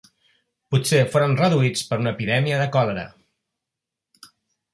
Potser foren reduïts per una epidèmia de còlera.